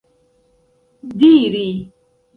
diri